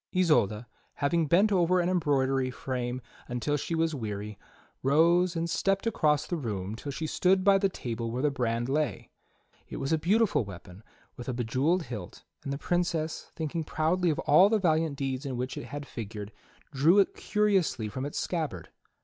Isolda, having bent over an embroidery frame until she was weary, rose and stepped across the room till she stood by the table where the brand lay. It was a beautiful weapon with a bejewelled hilt, and the Princess, thinking proudly of all the valiant deeds in which it had figured, drew it curiously from its scabbard.